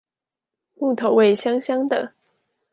木頭味香香的